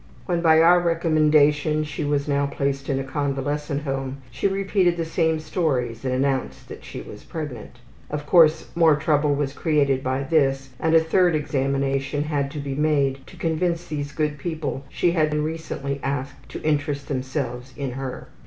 When by our recommendation she was now placed in a convalescent home she repeated the same stories and announced that she was pregnant. Of course more trouble was created by this and a third examination had to be made to convince these good people who had been recently asked to interest themselves in her.